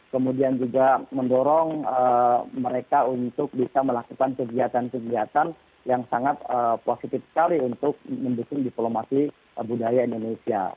kemudian juga mendorong mereka untuk bisa melakukan kegiatan kegiatan yang sangat positif sekali untuk mendukung diplomasi budaya indonesia